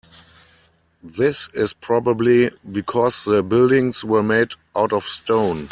This is probably because the buildings were made out of stone.